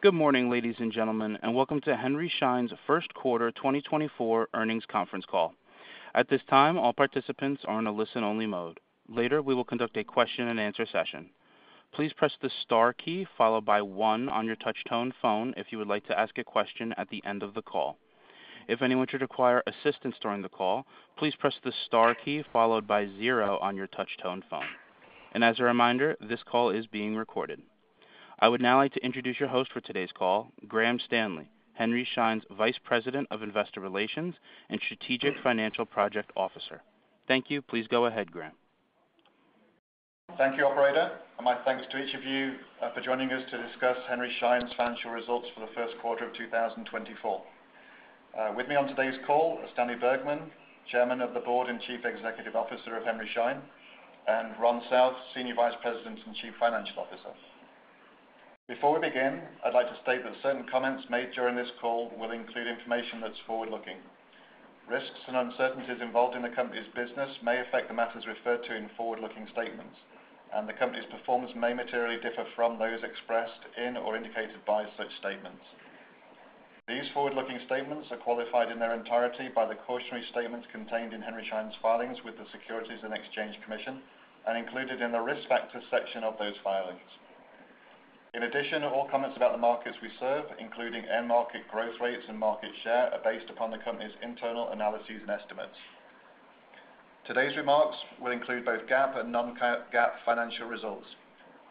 Good morning, ladies and gentlemen, and welcome to Henry Schein's first quarter 2024 earnings conference call. At this time, all participants are in a listen-only mode. Later, we will conduct a question-and-answer session. Please press the star key followed by one on your touch-tone phone if you would like to ask a question at the end of the call. If anyone should require assistance during the call, please press the star key followed by zero on your touch-tone phone. As a reminder, this call is being recorded. I would now like to introduce your host for today's call, Graham Stanley, Henry Schein's Vice President of Investor Relations and Strategic Financial Project Officer. Thank you. Please go ahead, Graham. Thank you, Operator. My thanks to each of you for joining us to discuss Henry Schein's financial results for the first quarter of 2024. With me on today's call are Stanley Bergman, Chairman of the Board and Chief Executive Officer of Henry Schein, and Ron South, Senior Vice President and Chief Financial Officer. Before we begin, I'd like to state that certain comments made during this call will include information that's forward-looking. Risks and uncertainties involved in the company's business may affect the matters referred to in forward-looking statements, and the company's performance may materially differ from those expressed in or indicated by such statements. These forward-looking statements are qualified in their entirety by the cautionary statements contained in Henry Schein's filings with the Securities and Exchange Commission and included in the risk factors section of those filings. In addition, all comments about the markets we serve, including end-market growth rates and market share, are based upon the company's internal analyses and estimates. Today's remarks will include both GAAP and non-GAAP financial results.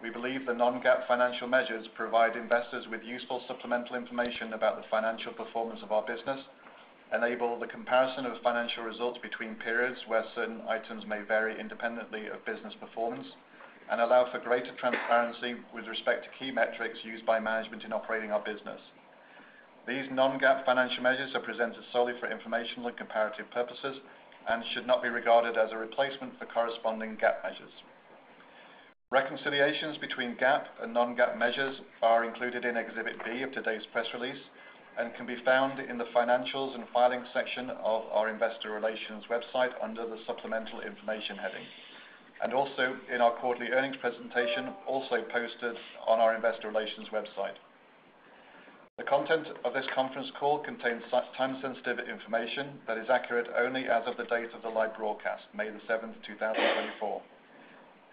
We believe the non-GAAP financial measures provide investors with useful supplemental information about the financial performance of our business, enable the comparison of financial results between periods where certain items may vary independently of business performance, and allow for greater transparency with respect to key metrics used by management in operating our business. These non-GAAP financial measures are presented solely for informational and comparative purposes and should not be regarded as a replacement for corresponding GAAP measures. Reconciliations between GAAP and non-GAAP measures are included in Exhibit B of today's press release and can be found in the financials and filings section of our Investor Relations website under the supplemental information heading, and also in our quarterly earnings presentation also posted on our Investor Relations website. The content of this conference call contains time-sensitive information that is accurate only as of the date of the live broadcast, May 7th, 2024.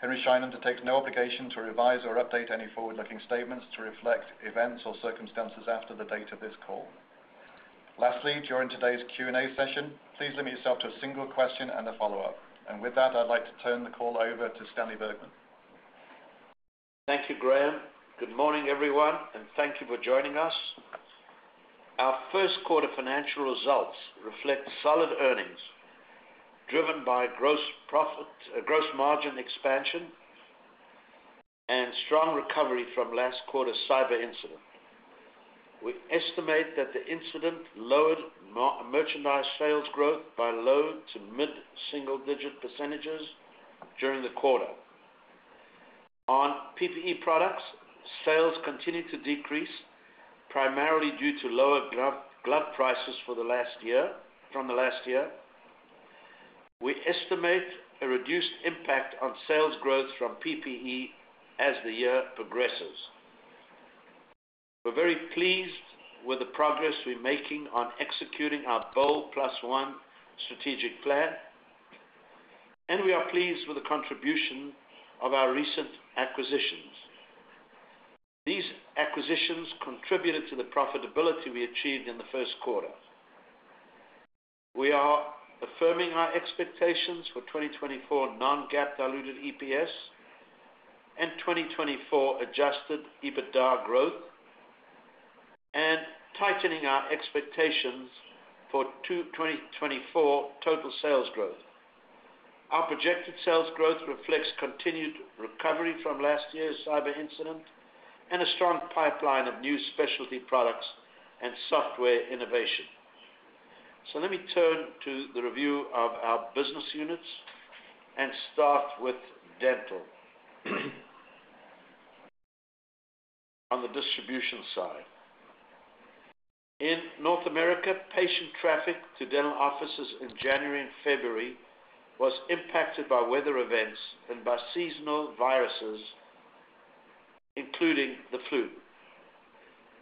Henry Schein undertakes no obligation to revise or update any forward-looking statements to reflect events or circumstances after the date of this call. Lastly, during today's Q&A session, please limit yourself to a single question and a follow-up. And with that, I'd like to turn the call over to Stanley Bergman. Thank you, Graham. Good morning, everyone, and thank you for joining us. Our first quarter financial results reflect solid earnings driven by gross margin expansion and strong recovery from last quarter's cyber incident. We estimate that the incident lowered merchandise sales growth by low- to mid-single-digit percentages during the quarter. On PPE products, sales continued to decrease primarily due to lower glove prices from the last year. We estimate a reduced impact on sales growth from PPE as the year progresses. We're very pleased with the progress we're making on executing our BOLD+1 strategic plan, and we are pleased with the contribution of our recent acquisitions. These acquisitions contributed to the profitability we achieved in the first quarter. We are affirming our expectations for 2024 Non-GAAP diluted EPS and 2024 adjusted EBITDA growth and tightening our expectations for 2024 total sales growth. Our projected sales growth reflects continued recovery from last year's cyber incident and a strong pipeline of new specialty products and software innovation. So let me turn to the review of our business units and start with dental on the distribution side. In North America, patient traffic to dental offices in January and February was impacted by weather events and by seasonal viruses including the flu,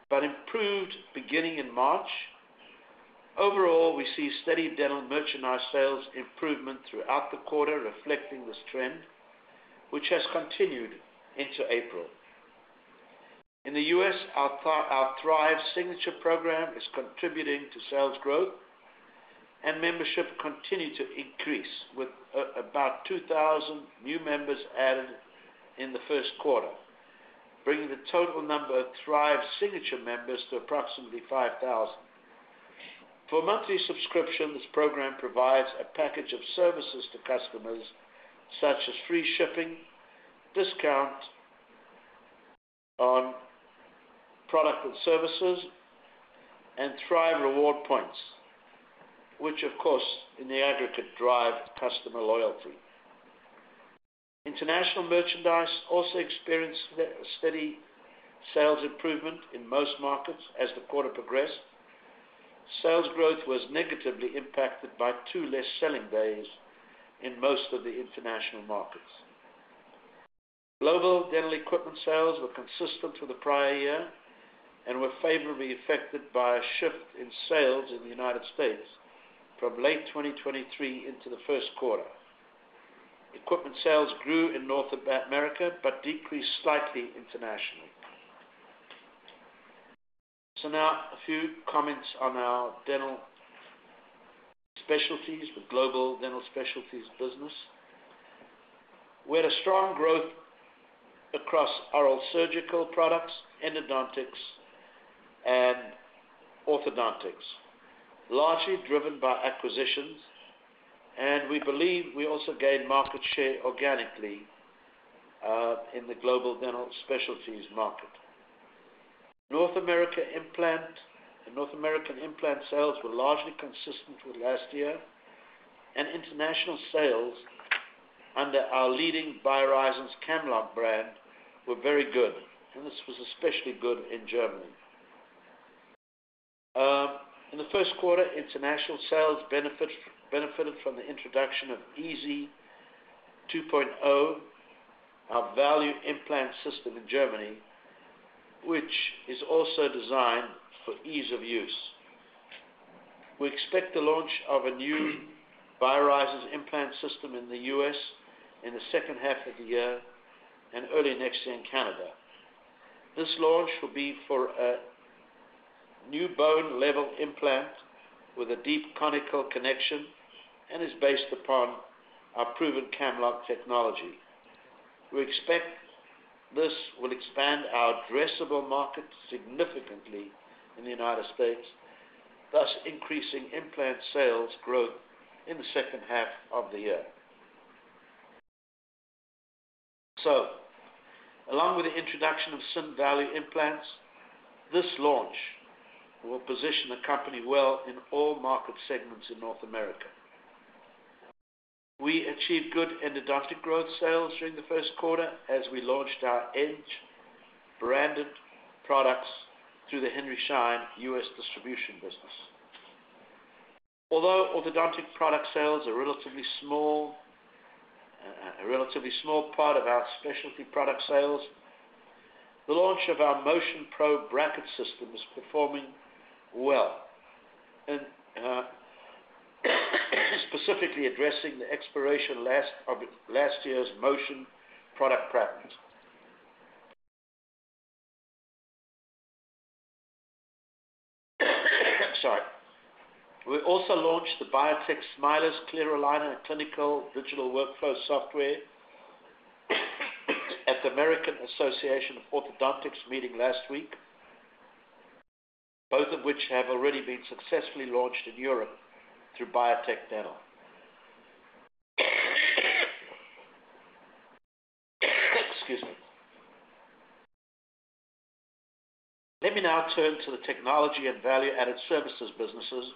but improved beginning in March. Overall, we see steady dental merchandise sales improvement throughout the quarter reflecting this trend, which has continued into April. In the U.S., our Thrive Signature program is contributing to sales growth, and membership continued to increase with about 2,000 new members added in the first quarter, bringing the total number of Thrive Signature members to approximately 5,000. For monthly subscription, this program provides a package of services to customers such as free shipping, discount on product and services, and Thrive Rewards points, which, of course, in the aggregate, drive customer loyalty. International merchandise also experienced steady sales improvement in most markets as the quarter progressed. Sales growth was negatively impacted by two less selling days in most of the international markets. Global dental equipment sales were consistent for the prior year and were favorably affected by a shift in sales in the United States from late 2023 into the first quarter. Equipment sales grew in North America but decreased slightly internationally. So now a few comments on our dental specialties with global dental specialties business. We had a strong growth across oral surgical products, endodontics, and orthodontics, largely driven by acquisitions, and we believe we also gained market share organically in the global dental specialties market. North American implant sales were largely consistent with last year, and international sales under our leading BioHorizons Camlog brand were very good, and this was especially good in Germany. In the first quarter, international sales benefited from the introduction of iSy 2.0, our value implant system in Germany, which is also designed for ease of use. We expect the launch of a new BioHorizons implant system in the U.S. in the second half of the year and early next year in Canada. This launch will be for a new bone-level implant with a deep conical connection and is based upon our proven Camlog technology. We expect this will expand our addressable market significantly in the United States, thus increasing implant sales growth in the second half of the year. So along with the introduction of S.I.N. implants, this launch will position the company well in all market segments in North America. We achieved good endodontic growth sales during the first quarter as we launched our Edge-branded products through the Henry Schein U.S. distribution business. Although orthodontic product sales are a relatively small part of our specialty product sales, the launch of our MotionPro bracket system is performing well, specifically addressing the expiration last year's Motion product patent. Sorry. We also launched the Biotech Smilers Clear Aligner clinical digital workflow software at the American Association of Orthodontics meeting last week, both of which have already been successfully launched in Europe through Biotech Dental. Excuse me. Let me now turn to the technology and value-added services businesses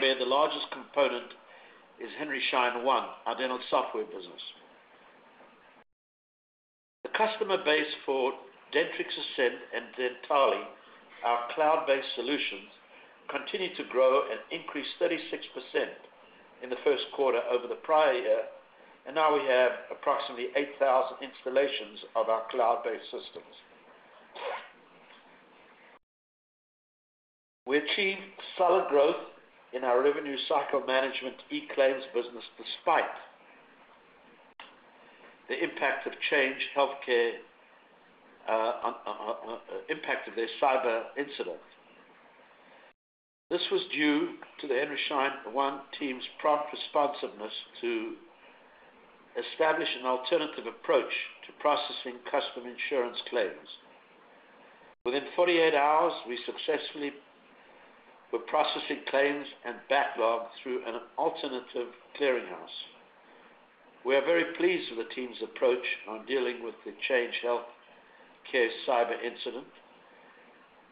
where the largest component is Henry Schein One, our dental software business. The customer base for Dentrix Ascend and Dentally, our cloud-based solutions, continued to grow and increase 36% in the first quarter over the prior year, and now we have approximately 8,000 installations of our cloud-based systems. We achieved solid growth in our revenue cycle management e-claims business despite the impact of Change Healthcare impact of their cyber incident. This was due to the Henry Schein One team's prompt responsiveness to establish an alternative approach to processing custom insurance claims. Within 48 hours, we successfully were processing claims and backlog through an alternative clearinghouse. We are very pleased with the team's approach on dealing with the Change Healthcare cyber incident,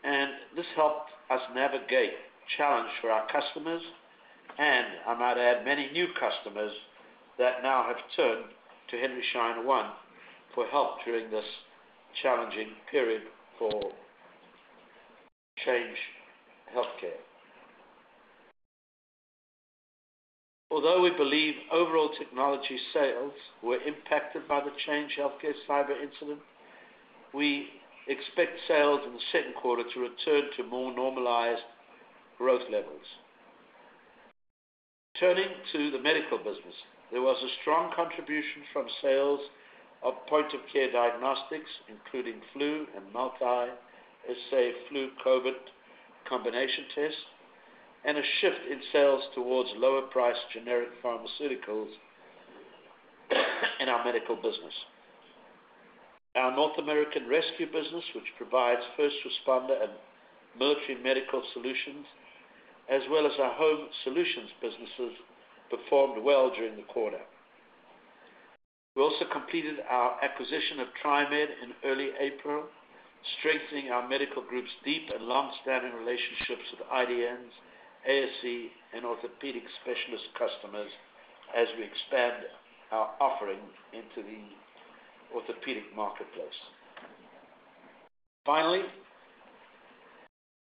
and this helped us navigate challenge for our customers and, I might add, many new customers that now have turned to Henry Schein One for help during this challenging period for Change Healthcare. Although we believe overall technology sales were impacted by the Change Healthcare cyber incident, we expect sales in the second quarter to return to more normalized growth levels. Turning to the medical business, there was a strong contribution from sales of point-of-care diagnostics including flu and multi, say, flu/COVID combination tests, and a shift in sales towards lower-priced generic pharmaceuticals in our medical business. Our North American Rescue business, which provides first responder and military medical solutions as well as our Home Solutions businesses, performed well during the quarter. We also completed our acquisition of TriMed in early April, strengthening our medical group's deep and longstanding relationships with IDNs, ASCs, and orthopedic specialist customers as we expand our offering into the orthopedic marketplace. Finally,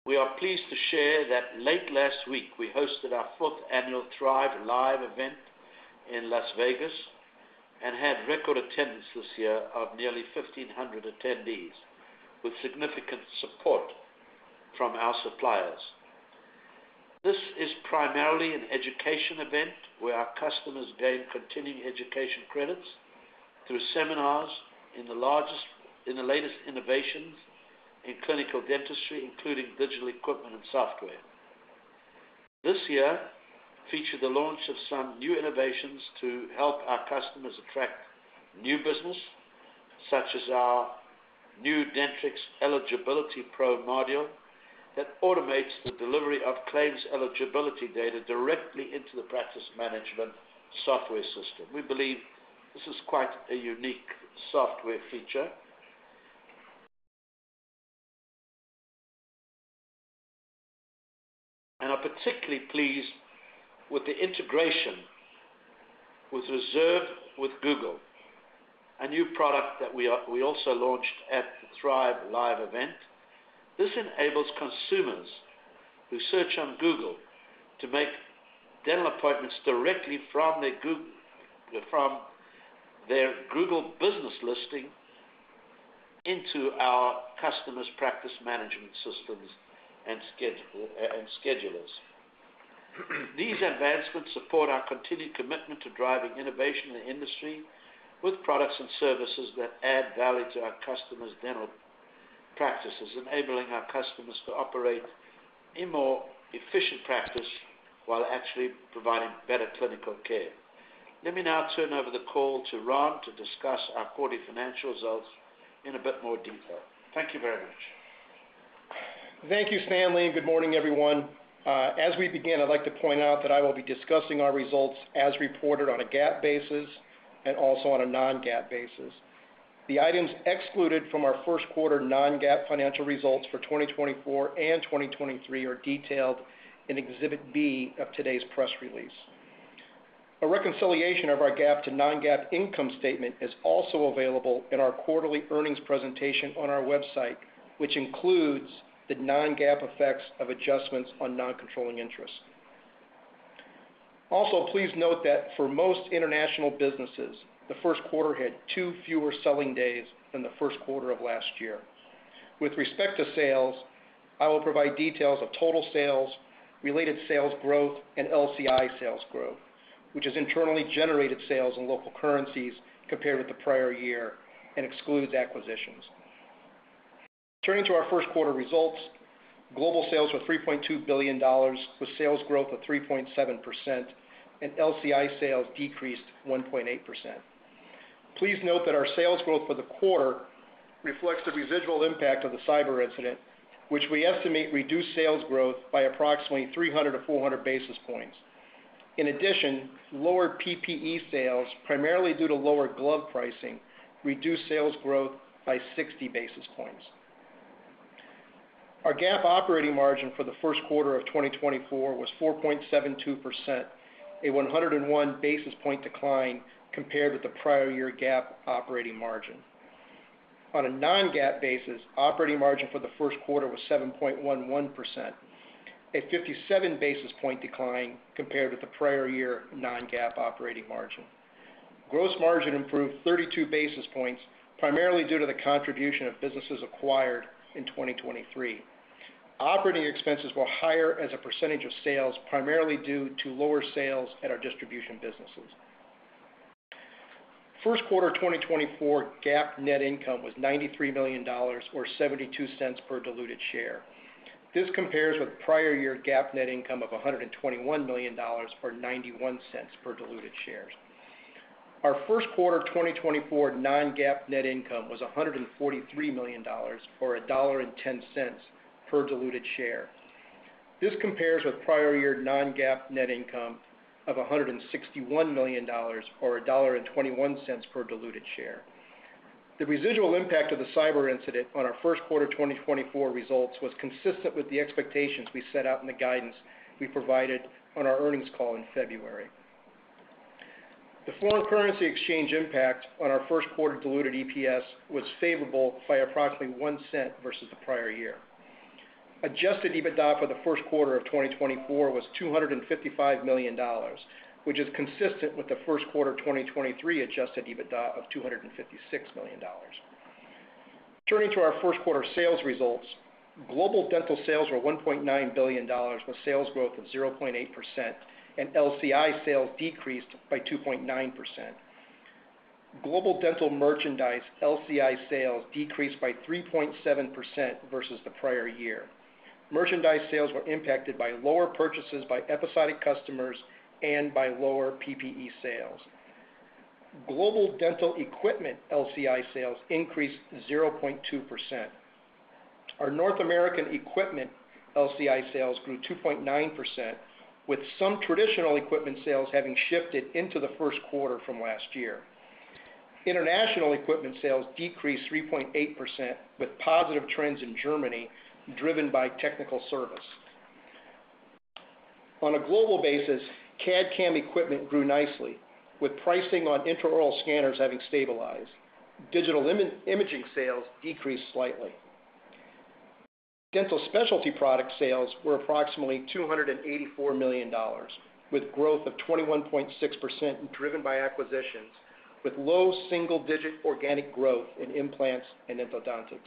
we are pleased to share that late last week, we hosted our fourth annual Thrive Live event in Las Vegas and had record attendance this year of nearly 1,500 attendees with significant support from our suppliers. This is primarily an education event where our customers gain continuing education credits through seminars in the latest innovations in clinical dentistry including digital equipment and software. This year featured the launch of some new innovations to help our customers attract new business such as our new Dentrix Eligibility Pro module that automates the delivery of claims eligibility data directly into the practice management software system. We believe this is quite a unique software feature. I'm particularly pleased with the integration with Reserve with Google, a new product that we also launched at the Thrive Live event. This enables consumers who search on Google to make dental appointments directly from their Google business listing into our customers' practice management systems and schedulers. These advancements support our continued commitment to driving innovation in the industry with products and services that add value to our customers' dental practices, enabling our customers to operate in more efficient practice while actually providing better clinical care. Let me now turn over the call to Ron to discuss our quarterly financial results in a bit more detail. Thank you very much. Thank you, Stanley. Good morning, everyone. As we begin, I'd like to point out that I will be discussing our results as reported on a GAAP basis and also on a non-GAAP basis. The items excluded from our first quarter non-GAAP financial results for 2024 and 2023 are detailed in Exhibit B of today's press release. A reconciliation of our GAAP to non-GAAP income statement is also available in our quarterly earnings presentation on our website, which includes the non-GAAP effects of adjustments on non-controlling interest. Also, please note that for most international businesses, the first quarter had two fewer selling days than the first quarter of last year. With respect to sales, I will provide details of total sales, related sales growth, and LCI sales growth, which is internally generated sales in local currencies compared with the prior year and excludes acquisitions. Turning to our first quarter results, global sales were $3.2 billion with sales growth of 3.7% and LCI sales decreased 1.8%. Please note that our sales growth for the quarter reflects the residual impact of the cyber incident, which we estimate reduced sales growth by approximately 300-400 basis points. In addition, lower PPE sales, primarily due to lower glove pricing, reduced sales growth by 60 basis points. Our GAAP operating margin for the first quarter of 2024 was 4.72%, a 101 basis point decline compared with the prior year GAAP operating margin. On a non-GAAP basis, operating margin for the first quarter was 7.11%, a 57 basis point decline compared with the prior year non-GAAP operating margin. Gross margin improved 32 basis points, primarily due to the contribution of businesses acquired in 2023. Operating expenses were higher as a percentage of sales, primarily due to lower sales at our distribution businesses. First quarter 2024 GAAP net income was $93 million or $0.72 per diluted share. This compares with prior year GAAP net income of $121 million or $0.91 per diluted shares. Our first quarter 2024 non-GAAP net income was $143 million or $1.10 per diluted share. This compares with prior year non-GAAP net income of $161 million or $1.21 per diluted share. The residual impact of the cyber incident on our first quarter 2024 results was consistent with the expectations we set out in the guidance we provided on our earnings call in February. The foreign currency exchange impact on our first quarter diluted EPS was favorable by approximately $0.01 versus the prior year. Adjusted EBITDA for the first quarter of 2024 was $255 million, which is consistent with the first quarter 2023 adjusted EBITDA of $256 million. Turning to our first quarter sales results, global dental sales were $1.9 billion with sales growth of 0.8% and LCI sales decreased by 2.9%. Global dental merchandise LCI sales decreased by 3.7% versus the prior year. Merchandise sales were impacted by lower purchases by episodic customers and by lower PPE sales. Global dental equipment LCI sales increased 0.2%. Our North American equipment LCI sales grew 2.9%, with some traditional equipment sales having shifted into the first quarter from last year. International equipment sales decreased 3.8% with positive trends in Germany driven by technical service. On a global basis, CAD/CAM equipment grew nicely, with pricing on intraoral scanners having stabilized. Digital imaging sales decreased slightly. Dental specialty product sales were approximately $284 million with growth of 21.6% driven by acquisitions, with low single-digit organic growth in implants and orthodontics.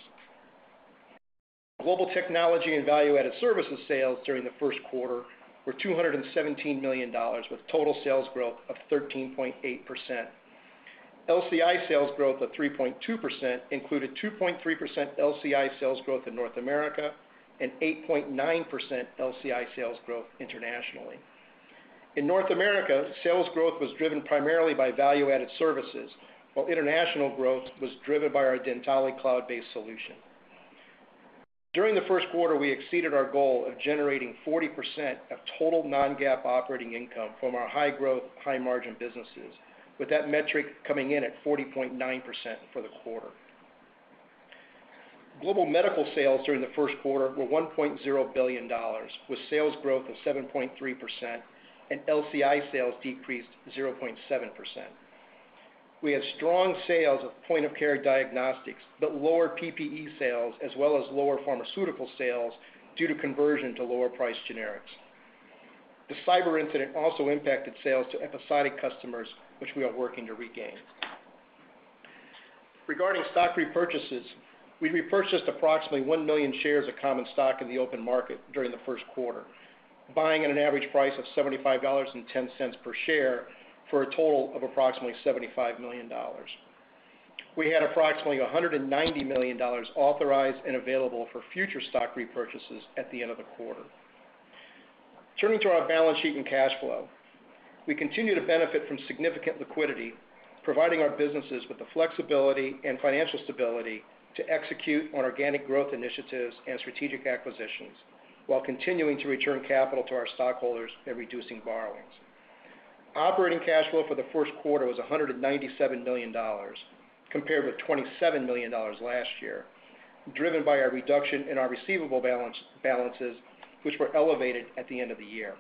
Global technology and value-added services sales during the first quarter were $217 million with total sales growth of 13.8%. LCI sales growth of 3.2% included 2.3% LCI sales growth in North America and 8.9% LCI sales growth internationally. In North America, sales growth was driven primarily by value-added services, while international growth was driven by our Dentally cloud-based solution. During the first quarter, we exceeded our goal of generating 40% of total non-GAAP operating income from our high-growth, high-margin businesses, with that metric coming in at 40.9% for the quarter. Global medical sales during the first quarter were $1.0 billion with sales growth of 7.3% and LCI sales decreased 0.7%. We have strong sales of point-of-care diagnostics but lower PPE sales as well as lower pharmaceutical sales due to conversion to lower-priced generics. The cyber incident also impacted sales to episodic customers, which we are working to regain. Regarding stock repurchases, we repurchased approximately $1 million shares of common stock in the open market during the first quarter, buying at an average price of $75.10 per share for a total of approximately $75 million. We had approximately $190 million authorized and available for future stock repurchases at the end of the quarter. Turning to our balance sheet and cash flow, we continue to benefit from significant liquidity, providing our businesses with the flexibility and financial stability to execute on organic growth initiatives and strategic acquisitions while continuing to return capital to our stockholders and reducing borrowings. Operating cash flow for the first quarter was $197 million compared with $27 million last year, driven by our reduction in our receivable balances, which were elevated at the end of the year.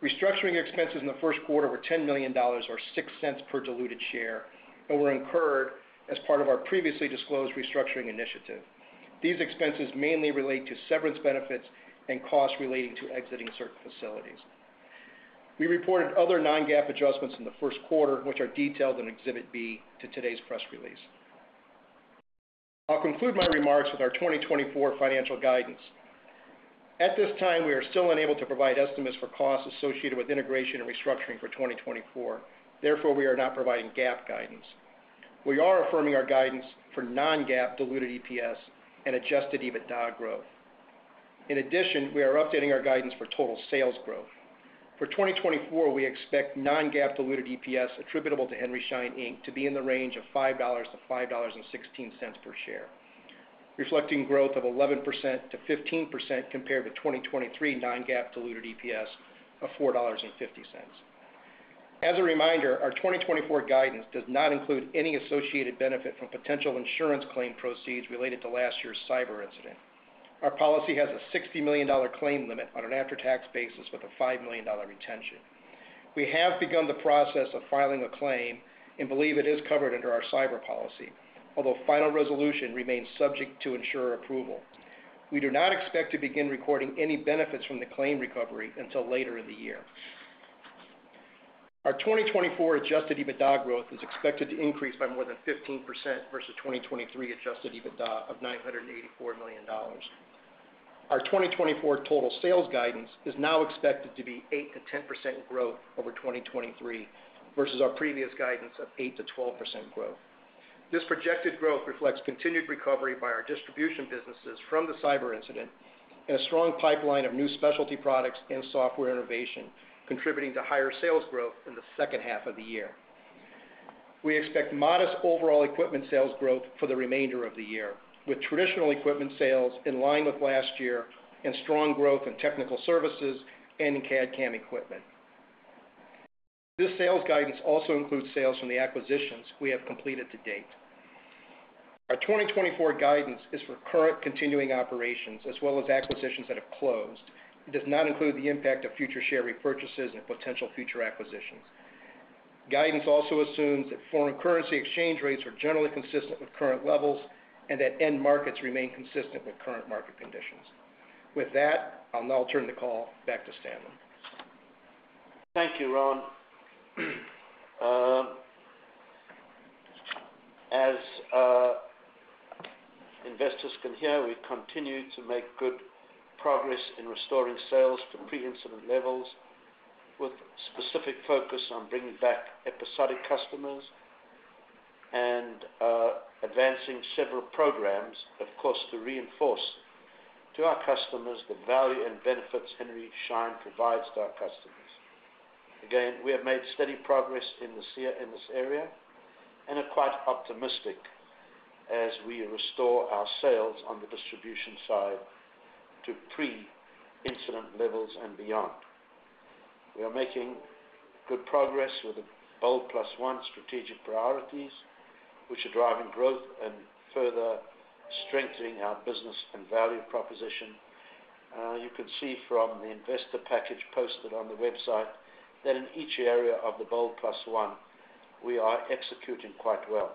Restructuring expenses in the first quarter were $10 million or $0.06 per diluted share and were incurred as part of our previously disclosed restructuring initiative. These expenses mainly relate to severance benefits and costs relating to exiting certain facilities. We reported other non-GAAP adjustments in the first quarter, which are detailed in Exhibit B to today's press release. I'll conclude my remarks with our 2024 financial guidance. At this time, we are still unable to provide estimates for costs associated with integration and restructuring for 2024. Therefore, we are not providing GAAP guidance. We are affirming our guidance for non-GAAP diluted EPS and adjusted EBITDA growth. In addition, we are updating our guidance for total sales growth. For 2024, we expect non-GAAP diluted EPS attributable to Henry Schein, Inc. to be in the range of $5-$5.16 per share, reflecting growth of 11%-15% compared with 2023 non-GAAP diluted EPS of $4.50. As a reminder, our 2024 guidance does not include any associated benefit from potential insurance claim proceeds related to last year's cyber incident. Our policy has a $60 million claim limit on an after-tax basis with a $5 million retention. We have begun the process of filing a claim and believe it is covered under our cyber policy, although final resolution remains subject to insurer approval. We do not expect to begin recording any benefits from the claim recovery until later in the year. Our 2024 adjusted EBITDA growth is expected to increase by more than 15% versus 2023 adjusted EBITDA of $984 million. Our 2024 total sales guidance is now expected to be 8%-10% growth over 2023 versus our previous guidance of 8%-12% growth. This projected growth reflects continued recovery by our distribution businesses from the cyber incident and a strong pipeline of new specialty products and software innovation, contributing to higher sales growth in the second half of the year. We expect modest overall equipment sales growth for the remainder of the year, with traditional equipment sales in line with last year and strong growth in technical services and in CAD/CAM equipment. This sales guidance also includes sales from the acquisitions we have completed to date. Our 2024 guidance is for current continuing operations as well as acquisitions that have closed. It does not include the impact of future share repurchases and potential future acquisitions. Guidance also assumes that foreign currency exchange rates are generally consistent with current levels and that end markets remain consistent with current market conditions. With that, I'll now turn the call back to Stanley. Thank you, Ron. As investors can hear, we've continued to make good progress in restoring sales to pre-incident levels with specific focus on bringing back episodic customers and advancing several programs, of course, to reinforce to our customers the value and benefits Henry Schein provides to our customers. Again, we have made steady progress in this area and are quite optimistic as we restore our sales on the distribution side to pre-incident levels and beyond. We are making good progress with the BOLD+1 strategic priorities, which are driving growth and further strengthening our business and value proposition. You can see from the investor package posted on the website that in each area of the BOLD+1, we are executing quite well.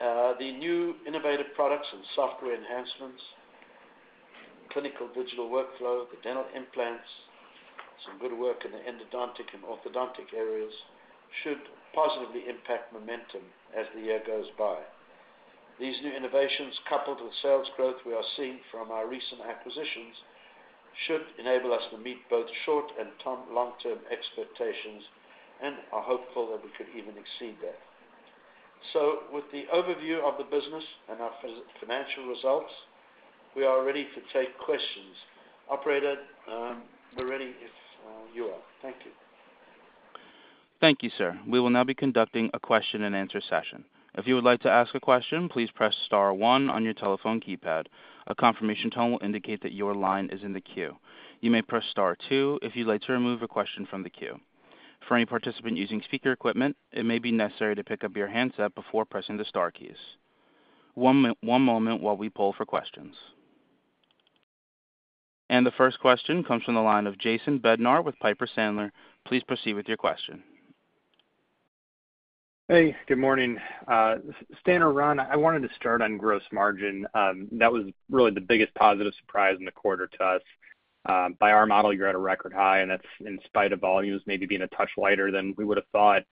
The new innovative products and software enhancements, clinical digital workflow, the dental implants, some good work in the endodontic and orthodontic areas should positively impact momentum as the year goes by. These new innovations, coupled with sales growth we are seeing from our recent acquisitions, should enable us to meet both short and long-term expectations and are hopeful that we could even exceed that. So with the overview of the business and our financial results, we are ready to take questions. Operator, Mireille, if you are. Thank you. Thank you, sir. We will now be conducting a question-and-answer session. If you would like to ask a question, please press star 1 on your telephone keypad. A confirmation tone will indicate that your line is in the queue. You may press star 2 if you'd like to remove a question from the queue. For any participant using speaker equipment, it may be necessary to pick up your handset before pressing the star keys. One moment while we pull for questions. And the first question comes from the line of Jason Bednar with Piper Sandler. Please proceed with your question. Hey. Good morning. Stan or Ron, I wanted to start on gross margin. That was really the biggest positive surprise in the quarter to us. By our model, you're at a record high, and that's in spite of volumes maybe being a touch lighter than we would have thought.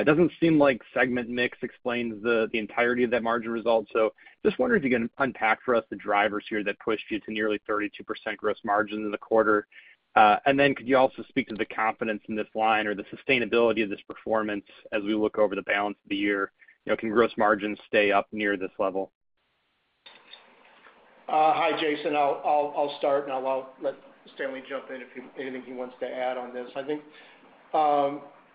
It doesn't seem like segment mix explains the entirety of that margin result. So just wondering if you can unpack for us the drivers here that pushed you to nearly 32% gross margin in the quarter. And then could you also speak to the confidence in this line or the sustainability of this performance as we look over the balance of the year? Can gross margins stay up near this level? Hi, Jason. I'll start, and I'll let Stanley jump in if he has anything he wants to add on this. I think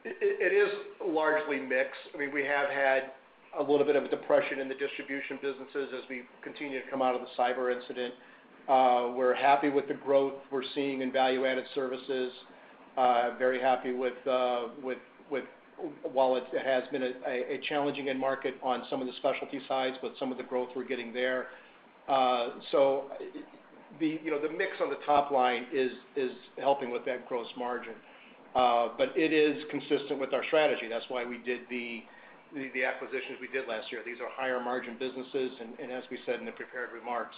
it is largely mix. I mean, we have had a little bit of a depression in the distribution businesses as we continue to come out of the cyber incident. We're happy with the growth we're seeing in value-added services. Very happy, while it has been a challenging end market on some of the specialty sides, but some of the growth we're getting there. So the mix on the top line is helping with that gross margin. But it is consistent with our strategy. That's why we did the acquisitions we did last year. These are higher-margin businesses. And as we said in the prepared remarks,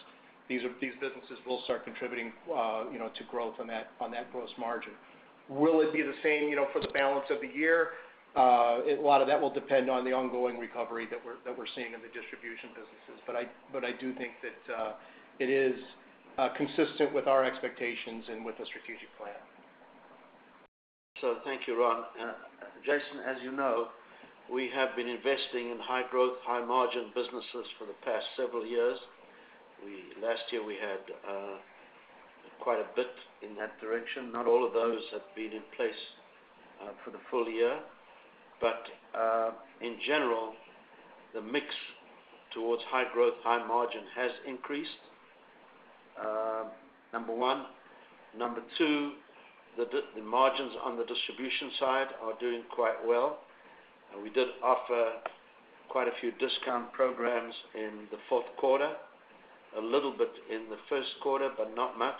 these businesses will start contributing to growth on that gross margin. Will it be the same for the balance of the year? A lot of that will depend on the ongoing recovery that we're seeing in the distribution businesses. But I do think that it is consistent with our expectations and with the strategic plan. So thank you, Ron. Jason, as you know, we have been investing in high-growth, high-margin businesses for the past several years. Last year, we had quite a bit in that direction. Not all of those have been in place for the full year. But in general, the mix towards high-growth, high-margin has increased, number one. Number two, the margins on the distribution side are doing quite well. We did offer quite a few discount programs in the fourth quarter, a little bit in the first quarter, but not much.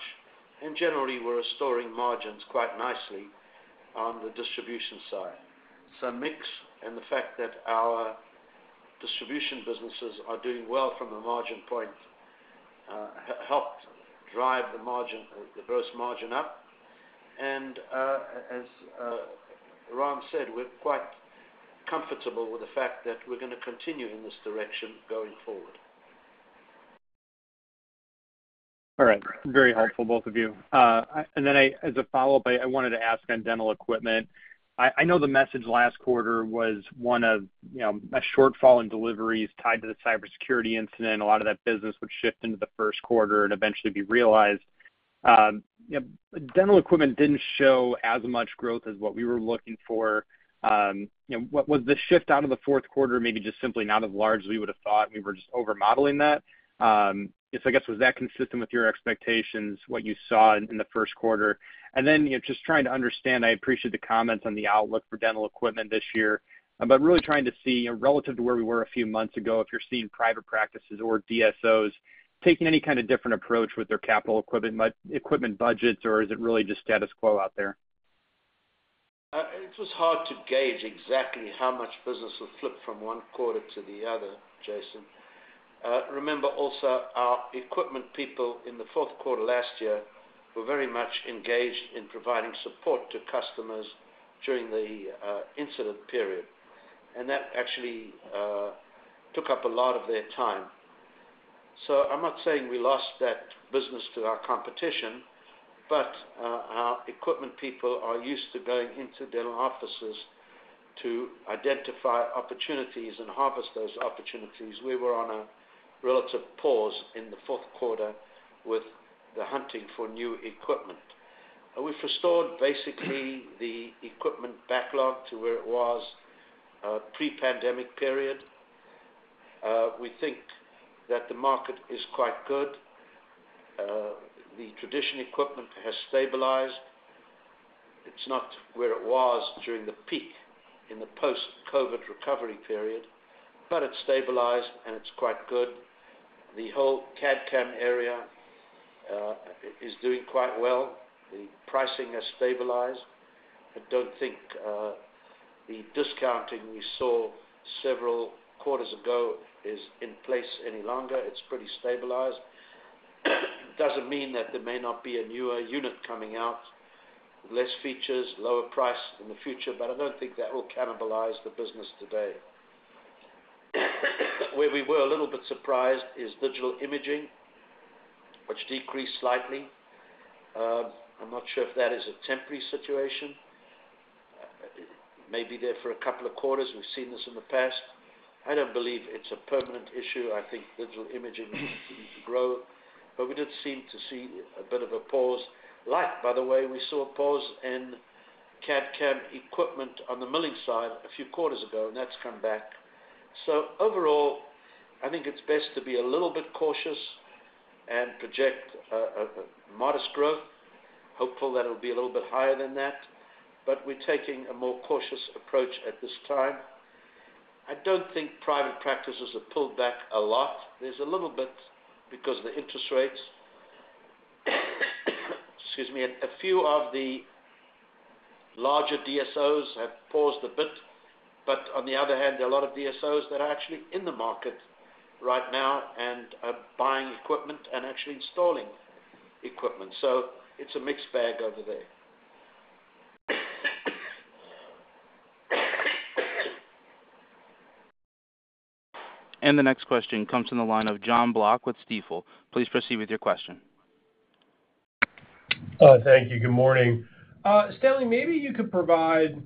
And generally, we're restoring margins quite nicely on the distribution side. So mix and the fact that our distribution businesses are doing well from the margin point helped drive the gross margin up. And as Ron said, we're quite comfortable with the fact that we're going to continue in this direction going forward. All right. Very helpful, both of you. And then as a follow-up, I wanted to ask on dental equipment. I know the message last quarter was one of a shortfall in deliveries tied to the Cybersecurity incident. A lot of that business would shift into the first quarter and eventually be realized. Dental equipment didn't show as much growth as what we were looking for. Was the shift out of the fourth quarter maybe just simply not as large as we would have thought? We were just overmodeling that. So I guess, was that consistent with your expectations, what you saw in the first quarter? And then just trying to understand, I appreciate the comments on the outlook for dental equipment this year, but really trying to see, relative to where we were a few months ago, if you're seeing private practices or DSOs taking any kind of different approach with their capital equipment budgets, or is it really just status quo out there? It was hard to gauge exactly how much business will flip from one quarter to the other, Jason. Remember also, our equipment people in the fourth quarter last year were very much engaged in providing support to customers during the incident period. And that actually took up a lot of their time. So I'm not saying we lost that business to our competition, but our equipment people are used to going into dental offices to identify opportunities and harvest those opportunities. We were on a relative pause in the fourth quarter with the hunting for new equipment. We've restored, basically, the equipment backlog to where it was pre-pandemic period. We think that the market is quite good. The traditional equipment has stabilized. It's not where it was during the peak in the post-COVID recovery period, but it's stabilized, and it's quite good. The whole CAD/CAM area is doing quite well. The pricing has stabilized. I don't think the discounting we saw several quarters ago is in place any longer. It's pretty stabilized. Doesn't mean that there may not be a newer unit coming out, less features, lower price in the future, but I don't think that will cannibalize the business today. Where we were a little bit surprised is digital imaging, which decreased slightly. I'm not sure if that is a temporary situation. It may be there for a couple of quarters. We've seen this in the past. I don't believe it's a permanent issue. I think digital imaging needs to grow. But we did seem to see a bit of a pause. By the way, we saw a pause in CAD/CAM equipment on the milling side a few quarters ago, and that's come back. So overall, I think it's best to be a little bit cautious and project modest growth, hopeful that it'll be a little bit higher than that. But we're taking a more cautious approach at this time. I don't think private practices have pulled back a lot. There's a little bit because of the interest rates. Excuse me. A few of the larger DSOs have paused a bit. But on the other hand, there are a lot of DSOs that are actually in the market right now and are buying equipment and actually installing equipment. So it's a mixed bag over there. The next question comes from the line of John Block with Stifel. Please proceed with your question. Thank you. Good morning. Stanley, maybe you could provide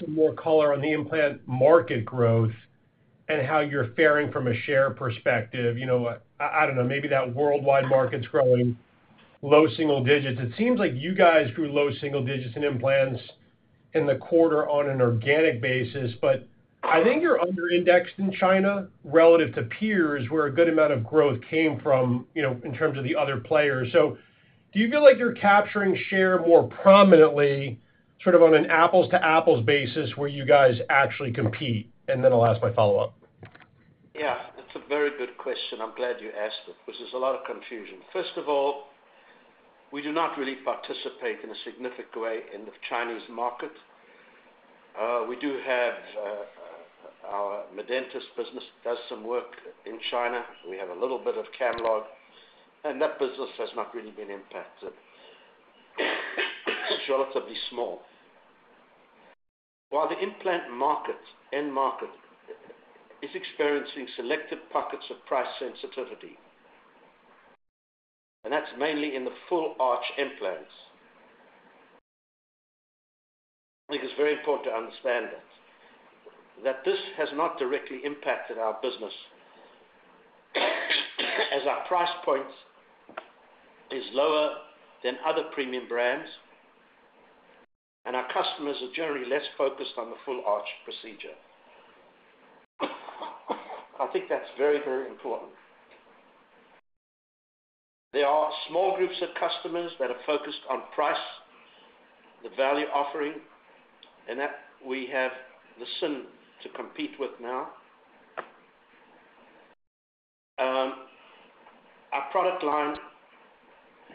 some more color on the implant market growth and how you're faring from a share perspective. I don't know. Maybe that worldwide market's growing low single digits. It seems like you guys grew low single digits in implants in the quarter on an organic basis, but I think you're underindexed in China relative to peers where a good amount of growth came from in terms of the other players. So do you feel like you're capturing share more prominently sort of on an apples-to-apples basis where you guys actually compete? And then I'll ask my follow-up. Yeah. That's a very good question. I'm glad you asked it because there's a lot of confusion. First of all, we do not really participate in a significant way in the Chinese market. We do have our Medentis business does some work in China. We have a little bit of Camlog. And that Business has not really been impacted. It's relatively small. While the implant market, end market, is experiencing selective pockets of price sensitivity, and that's mainly in the full-arch implants - I think it's very important to understand that - that this has not directly impacted our business as our price point is lower than other premium brands, and our customers are generally less focused on the full-arch procedure. I think that's very, very important. There are small groups of customers that are focused on price, the value offering, and that we have the SIN to compete with now. Our product line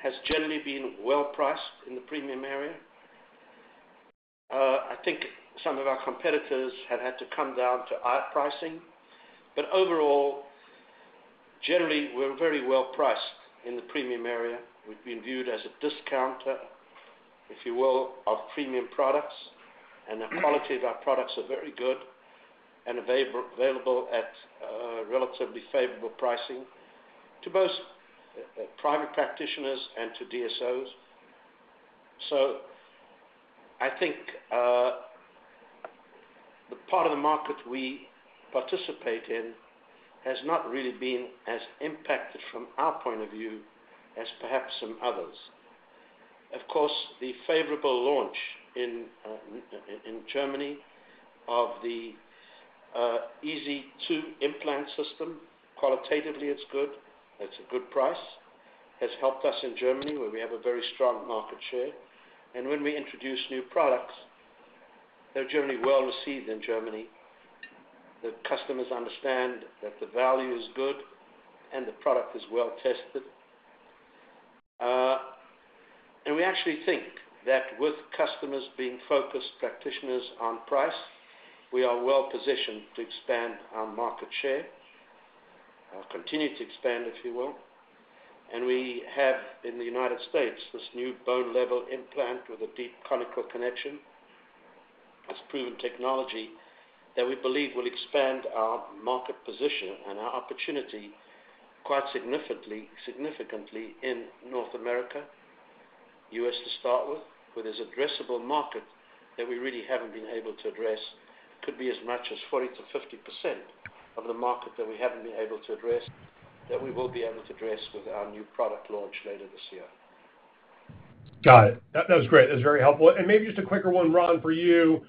has generally been well-priced in the premium area. I think some of our competitors have had to come down to our pricing. But overall, generally, we're very well-priced in the premium area. We've been viewed as a discounter, if you will, of premium products. And the quality of our products are very good and available at relatively favorable pricing to both private practitioners and to DSOs. So I think the part of the market we participate in has not really been as impacted from our point of view as perhaps some others. Of course, the favorable launch in Germany of the iSy-2 Implant System, qualitatively, it's good. It's a good price. Has helped us in Germany where we have a very strong market share. When we introduce new products, they're generally well-received in Germany. The customers understand that the value is good and the product is well-tested. We actually think that with customers being focused, practitioners on price, we are well-positioned to expand our market share, continue to expand, if you will. We have, in the United States, this new bone-level implant with a deep conical connection. It's proven technology that we believe will expand our market position and our opportunity quite significantly in North America, US to start with, where there's addressable market that we really haven't been able to address. Could be as much as 40%-50% of the market that we haven't been able to address that we will be able to address with our new product launch later this year. Got it. That was great. That was very helpful. Maybe just a quicker one, Ron, for you.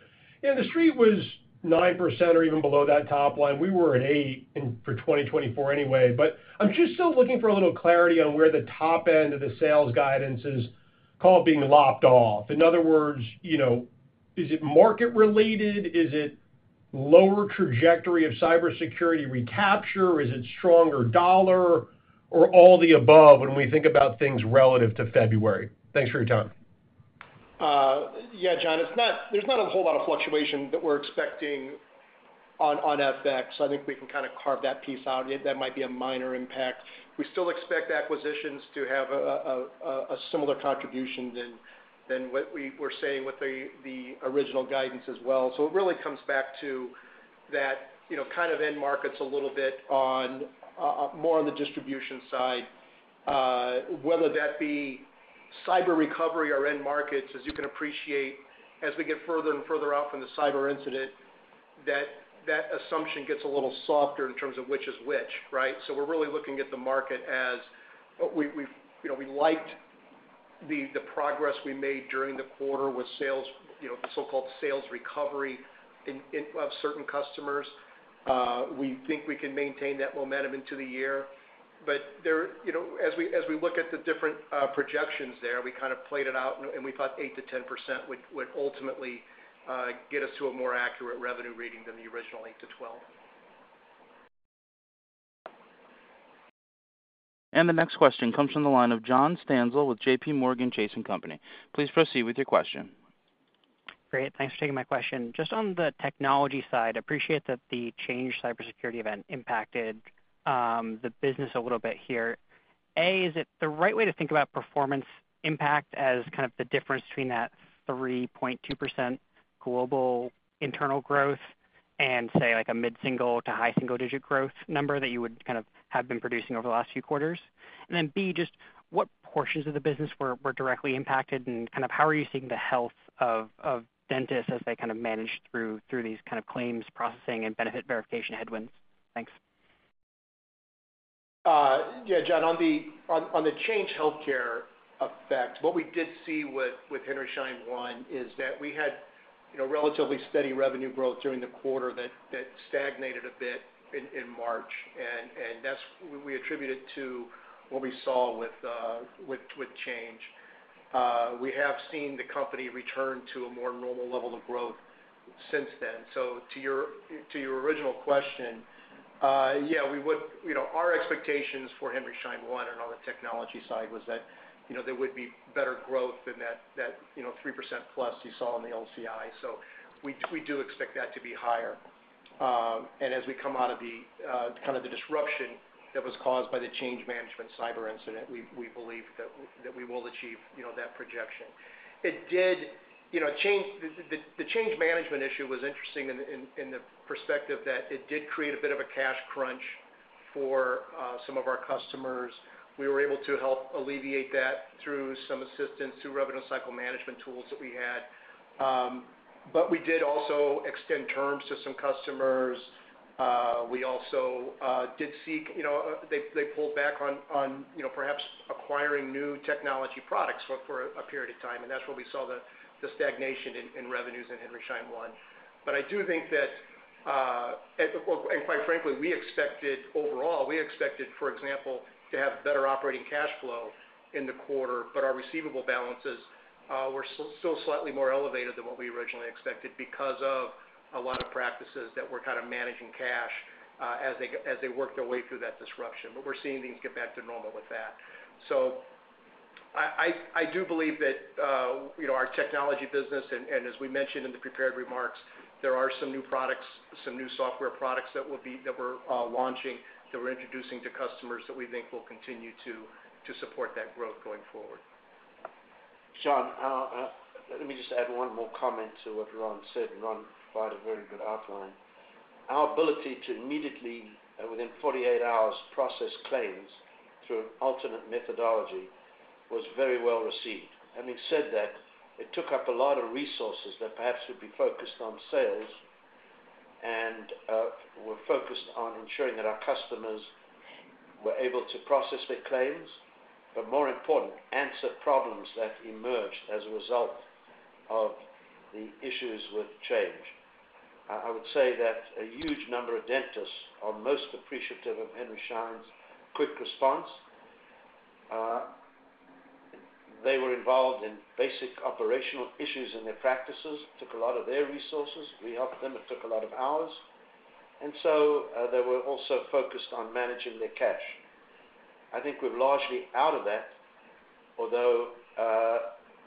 Industry was 9% or even below that top line. We were at 8% for 2024 anyway. I'm just still looking for a little clarity on where the top end of the sales guidance is called being lopped off. In other words, is it market-related? Is it lower trajectory of cybersecurity recapture? Is it stronger dollar or all the above when we think about things relative to February? Thanks for your time. Yeah, John. There's not a whole lot of fluctuation that we're expecting on FX. I think we can kind of carve that piece out. That might be a minor impact. We still expect acquisitions to have a similar contribution than what we were saying with the original guidance as well. So it really comes back to that kind of end markets a little bit more on the distribution side, whether that be cyber recovery or end markets. As you can appreciate, as we get further and further off from the cyber incident, that assumption gets a little softer in terms of which is which, right? So we're really looking at the market as we liked the progress we made during the quarter with the so-called sales recovery of certain customers. We think we can maintain that momentum into the year. But as we look at the different projections there, we kind of played it out, and we thought 8%-10% would ultimately get us to a more accurate revenue reading than the original 8-12. The next question comes from the line of John Stansel with JPMorgan Chase & Company. Please proceed with your question. Great. Thanks for taking my question. Just on the technology side, appreciate that the Change Healthcare cybersecurity event impacted the business a little bit here. A, is it the right way to think about performance impact as kind of the difference between that 3.2% global internal growth and, say, a mid-single to high single-digit growth number that you would kind of have been producing over the last few quarters? And then B, just what portions of the business were directly impacted, and kind of how are you seeing the health of dentists as they kind of manage through these kind of claims processing and benefit verification headwinds? Thanks. Yeah, John. On the Change Healthcare effect, what we did see with Henry Schein One is that we had relatively steady revenue growth during the quarter that stagnated a bit in March. And we attribute it to what we saw with Change. We have seen the company return to a more normal level of growth since then. So to your original question, yeah, our expectations for Henry Schein One and on the technology side was that there would be better growth than that 3% plus you saw in the LCI. So we do expect that to be higher. And as we come out of kind of the disruption that was caused by the Change Healthcare cyber incident, we believe that we will achieve that projection. It did change. The change management issue was interesting in the perspective that it did create a bit of a cash crunch for some of our customers. We were able to help alleviate that through some assistance, through revenue cycle management tools that we had. But we did also extend terms to some customers. We also did see they pulled back on perhaps acquiring new technology products for a period of time. And that's where we saw the stagnation in revenues in Henry Schein One But I do think that, and quite frankly, overall, we expected, for example, to have better operating cash flow in the quarter. But our receivable balances were still slightly more elevated than what we originally expected because of a lot of practices that were kind of managing cash as they worked their way through that disruption. But we're seeing things get back to normal with that. So I do believe that our technology business and as we mentioned in the prepared remarks, there are some new products, some new software products that we're launching, that we're introducing to customers that we think will continue to support that growth going forward. John, let me just add one more comment to what Ron said. Ron provided a very good outline. Our ability to immediately, within 48 hours, process claims through an alternate methodology was very well received. Having said that, it took up a lot of resources that perhaps would be focused on sales and were focused on ensuring that our customers were able to process their claims, but more important, answer problems that emerged as a result of the issues with Change Healthcare. I would say that a huge number of dentists. I'm most appreciative of Henry Schein. Stanley's quick response. They were involved in basic operational issues in their practices. It took a lot of their resources. We helped them. It took a lot of hours. And so they were also focused on managing their cash. I think we're largely out of that, although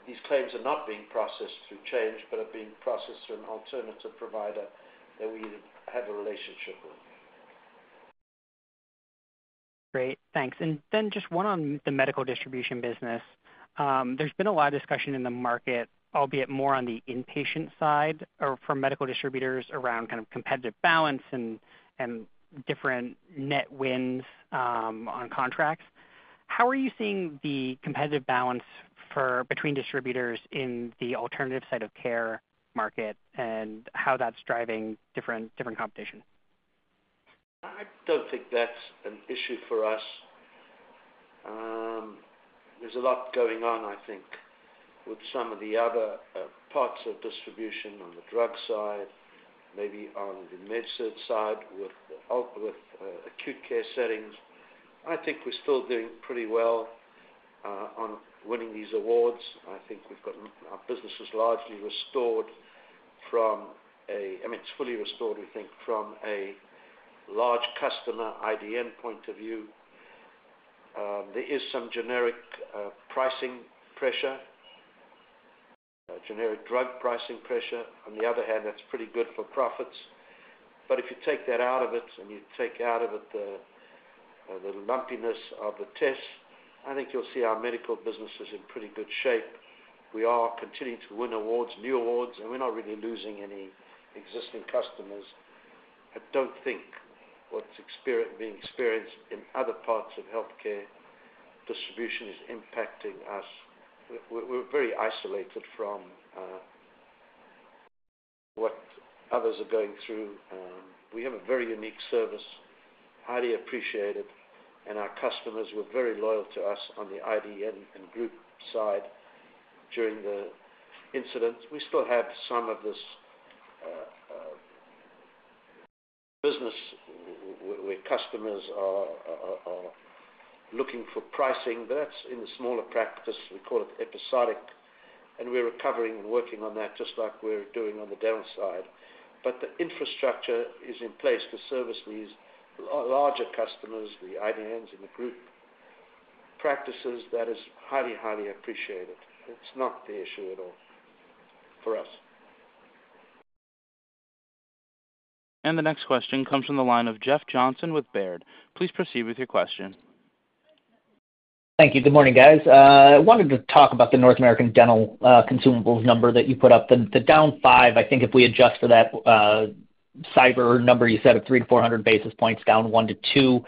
these claims are not being processed through Change but are being processed through an alternative provider that we have a relationship with. Great. Thanks. And then just one on the medical distribution business. There's been a lot of discussion in the market, albeit more on the inpatient side for medical distributors around kind of competitive balance and different net wins on contracts. How are you seeing the competitive balance between distributors in the alternative side of care market and how that's driving different competition? I don't think that's an issue for us. There's a lot going on, I think, with some of the other parts of distribution on the drug side, maybe on the medicine side with acute care settings. I think we're still doing pretty well on winning these awards. I think our business is largely restored from a I mean, it's fully restored, we think, from a large customer IDN point of view. There is some generic pricing pressure, generic drug pricing pressure. On the other hand, that's pretty good for profits. But if you take that out of it and you take out of it the lumpiness of the tests, I think you'll see our medical business is in pretty good shape. We are continuing to win awards, new awards, and we're not really losing any existing customers. I don't think what's being experienced in other parts of healthcare distribution is impacting us. We're very isolated from what others are going through. We have a very unique service, highly appreciated. Our customers were very loyal to us on the IDN and group side during the incident. We still have some of this business where customers are looking for pricing. That's in the smaller practice. We're recovering and working on that just like we're doing on the downside. The infrastructure is in place to service these larger customers, the IDNs and the group practices. That is highly, highly appreciated. It's not the issue at all for us. The next question comes from the line of Jeff Johnson with Baird. Please proceed with your question. Thank you. Good morning, guys. I wanted to talk about the North American Dental Consumables number that you put up. The down five, I think if we adjust for that cyber number you said of 300-400 basis points, down one to two,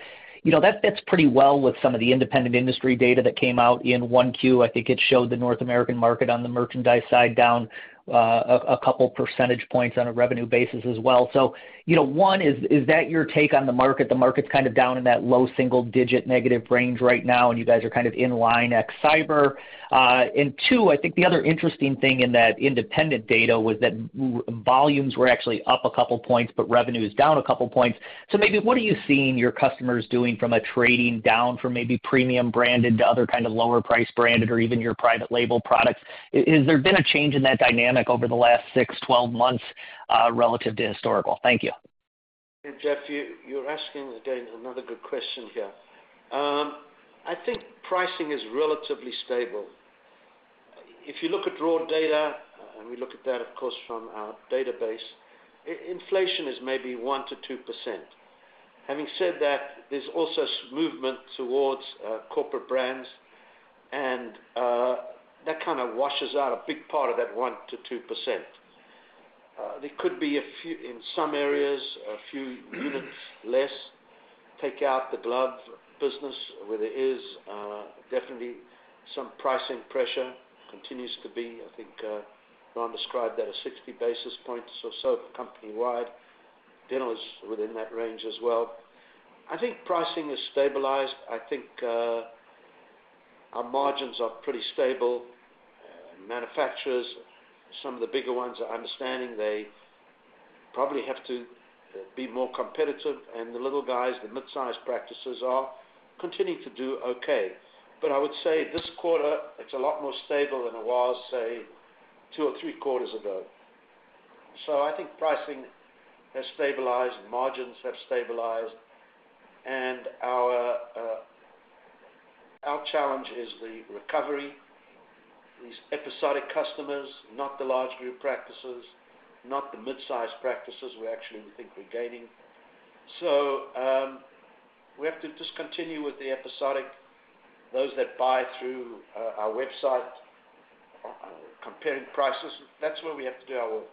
that fits pretty well with some of the independent industry data that came out in 1Q. I think it showed the North American market on the merchandise side down a couple percentage points on a revenue basis as well. So one, is that your take on the market? The market's kind of down in that low single-digit negative range right now, and you guys are kind of in line ex cyber. And two, I think the other interesting thing in that independent data was that volumes were actually up a couple points but revenue is down a couple points. So maybe what are you seeing your customers doing from a trading down from maybe premium branded to other kind of lower-priced branded or even your private label products? Has there been a change in that dynamic over the last six, 12 months relative to historical? Thank you. Jeff, you're asking again another good question here. I think pricing is relatively stable. If you look at raw data - and we look at that, of course, from our database - inflation is maybe 1%-2%. Having said that, there's also movement towards corporate brands. And that kind of washes out a big part of that 1%-2%. There could be a few, in some areas, a few units less. Take out the glove business where there is definitely some pricing pressure. Continues to be. I think Ron described that as 60 basis points or so company-wide. Dental is within that range as well. I think pricing is stabilized. I think our margins are pretty stable. Manufacturers, some of the bigger ones, I understand they probably have to be more competitive. And the little guys, the midsize practices, are continuing to do okay. But I would say this quarter, it's a lot more stable than it was, say, two or three quarters ago. So I think pricing has stabilized. Margins have stabilized. And our challenge is the recovery, these episodic customers, not the large group practices, not the midsize practices we actually think we're gaining. So we have to discontinue with the episodic, those that buy through our website, comparing prices. That's where we have to do our work.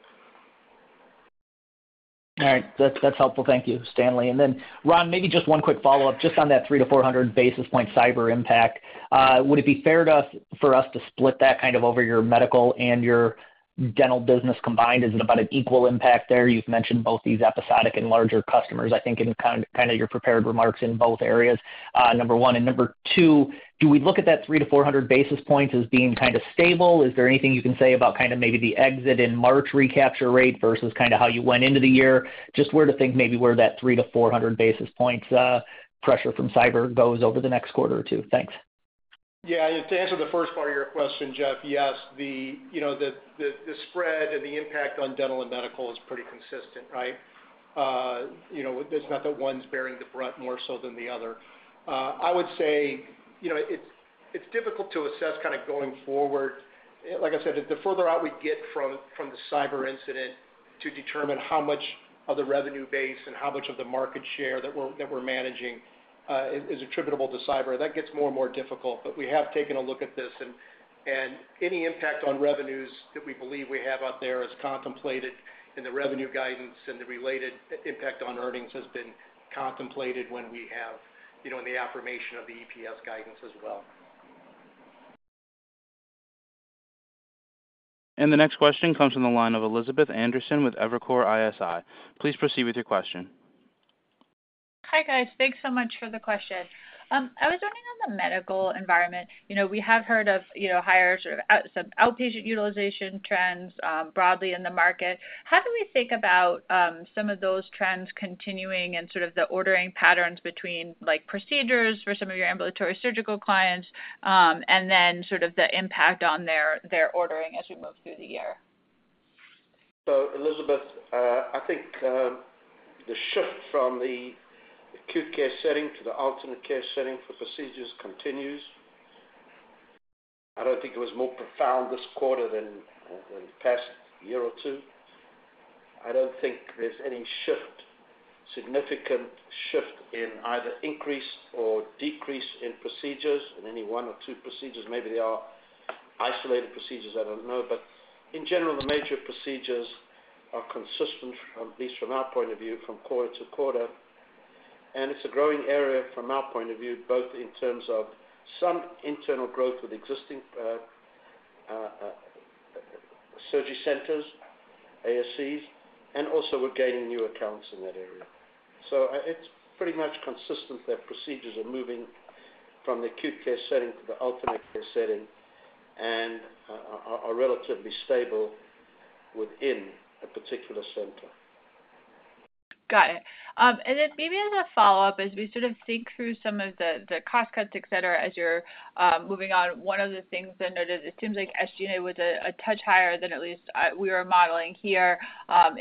All right. That's helpful. Thank you, Stanley. And then, Ron, maybe just one quick follow-up just on that three to 400 basis point cyber impact. Would it be fair for us to split that kind of over your medical and your dental business combined? Is it about an equal impact there? You've mentioned both these episodic and larger customers, I think, in kind of your prepared remarks in both areas, number one. And number two, do we look at that three to 400 basis points as being kind of stable? Is there anything you can say about kind of maybe the exit in March recapture rate versus kind of how you went into the year? Just where to think maybe where that three to 400 basis points pressure from cyber goes over the next quarter or two. Thanks. Yeah. To answer the first part of your question, Jeff, yes. The spread and the impact on dental and medical is pretty consistent, right? It's not that one's bearing the brunt more so than the other. I would say it's difficult to assess kind of going forward. Like I said, the further out we get from the cyber incident to determine how much of the revenue base and how much of the market share that we're managing is attributable to cyber, that gets more and more difficult. But we have taken a look at this. And any impact on revenues that we believe we have out there is contemplated in the revenue guidance. And the related impact on earnings has been contemplated when we have in the affirmation of the EPS guidance as well. The next question comes from the line of Elizabeth Anderson with Evercore ISI. Please proceed with your question. Hi, guys. Thanks so much for the question. I was wondering on the medical environment. We have heard of higher sort of some outpatient utilization trends broadly in the market. How do we think about some of those trends continuing and sort of the ordering patterns between procedures for some of your ambulatory surgical clients and then sort of the impact on their ordering as we move through the year? So, Elizabeth, I think the shift from the acute care setting to the alternate care setting for procedures continues. I don't think it was more profound this quarter than the past year or two. I don't think there's any significant shift in either increase or decrease in procedures, in any one or two procedures. Maybe they are isolated procedures. I don't know. In general, the major procedures are consistent, at least from our point of view, from quarter to quarter. It's a growing area from our point of view, both in terms of some internal growth with existing surgery centers, ASCs, and also we're gaining new accounts in that area. So it's pretty much consistent that procedures are moving from the acute care setting to the alternate care setting and are relatively stable within a particular center. Got it. And then maybe as a follow-up, as we sort of think through some of the cost cuts, etc., as you're moving on, one of the things that I noticed, it seems like SG&A was a touch higher than at least we were modeling here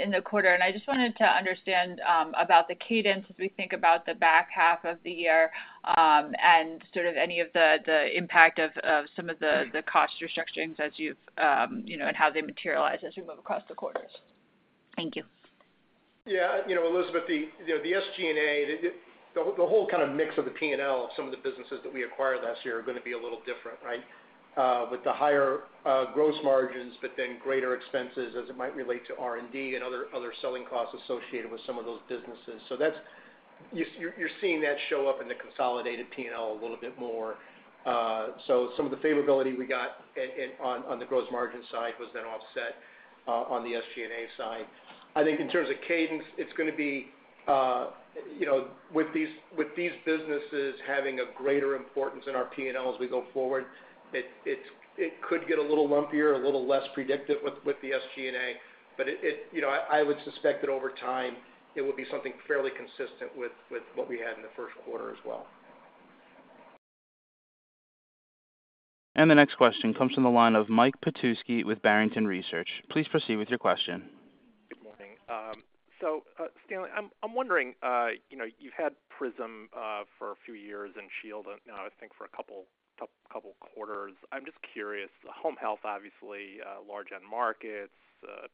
in the quarter. And I just wanted to understand about the cadence as we think about the back half of the year and sort of any of the impact of some of the cost restructurings as you've and how they materialize as we move across the quarters. Thank you. Yeah. Elizabeth, the SG&A, the whole kind of mix of the P&L of some of the businesses that we acquired last year are going to be a little different, right, with the higher gross margins but then greater expenses as it might relate to R&D and other selling costs associated with some of those businesses. So you're seeing that show up in the consolidated P&L a little bit more. So some of the favorability we got on the gross margin side was then offset on the SG&A side. I think in terms of cadence, it's going to be with these businesses having a greater importance in our P&L as we go forward, it could get a little lumpier, a little less predictive with the SG&A. But I would suspect that over time, it would be something fairly consistent with what we had in the first quarter as well. The next question comes from the line of Mike Petusky with Barrington Research. Please proceed with your question. Good morning. So, Stanley, I'm wondering. You've had Prism for a few years and Shield, now, I think, for a couple quarters. I'm just curious. Home health, obviously, large-end markets,